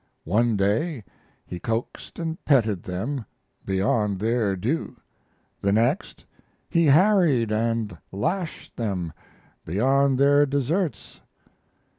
One day he coaxed and petted them beyond their due, the next he harried and lashed them beyond their deserts.